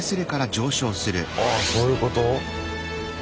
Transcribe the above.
あそういうこと？